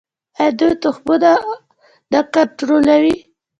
آیا دوی تخمونه او کود نه کنټرولوي؟